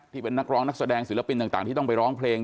ที่เป็นนักร้องนักแสดงศิลปินต่างที่ต้องไปร้องเพลง